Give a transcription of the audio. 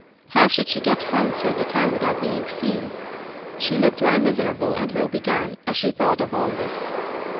How should she get home through the town without being seen? She looked very miserable and woe begone as she thought of all this.